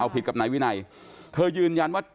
ผิดกับนายวินัยเธอยืนยันว่า